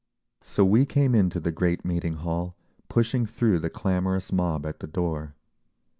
So we came into the great meeting hall, pushing through the clamorous mob at the door.